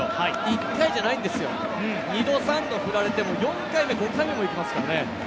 １回じゃないんですよ、２度、３度ふられても４回目、５回目も行きますからね。